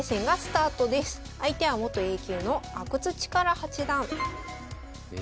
相手は元Ａ級の阿久津主税八段。え。